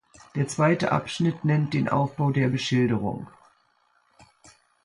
Der zweite Abschnitt nennt den Aufbau der Beschilderung.